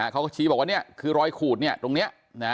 เขาก็ชี้บอกว่าเนี่ยคือร้อยขูดเนี่ยตรงเนี่ย